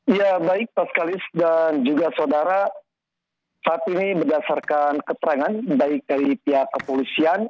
ya baik pak skalis dan juga saudara saat ini berdasarkan keterangan baik dari pihak kepolisian